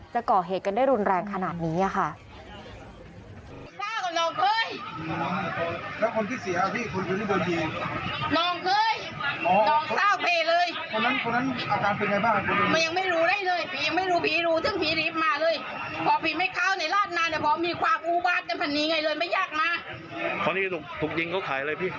จะก่อเหตุกันได้รุนแรงขนาดนี้ค่ะ